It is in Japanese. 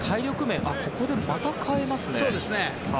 ここでまた代えますね。